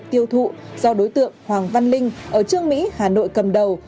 hà nội tiêu thụ do đối tượng hoàng văn linh ở trương mỹ hà nội cầm đầu